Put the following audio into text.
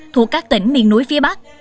thuộc các tỉnh miền núi phía bắc